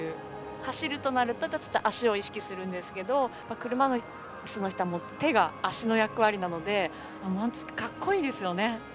走るとなると足を意識するんですけど車いすの人は手が足の役割なので格好いいですよね。